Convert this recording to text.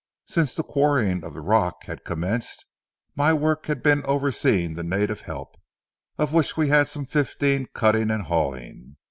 Since the quarrying of the rock had commenced, my work had been overseeing the native help, of which we had some fifteen cutting and hauling.